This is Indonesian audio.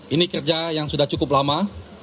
ini kerja yang sudah cukup lama